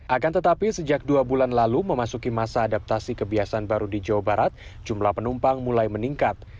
akan tetapi sejak dua bulan lalu memasuki masa adaptasi kebiasaan baru di jawa barat jumlah penumpang mulai meningkat